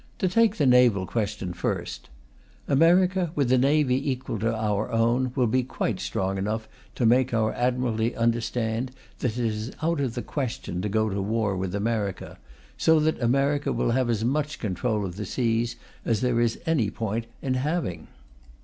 To take the naval question first: America, with a navy equal to our own, will be quite strong enough to make our Admiralty understand that it is out of the question to go to war with America, so that America will have as much control of the seas as there is any point in having.